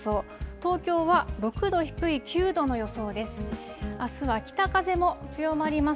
東京は６度低い９度の予想です。